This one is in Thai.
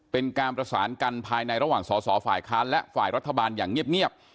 เป็นการประสานกันภายในระหว่างสอสอฝ่ายค้านและฝ่ายรัฐบาลอย่างเงียบ